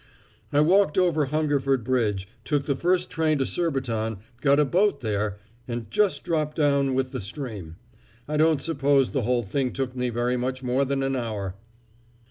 "I walked over Hungerford Bridge, took the first train to Surbiton, got a boat there, and just dropped down with the stream. I don't suppose the whole thing took me very much more than an hour."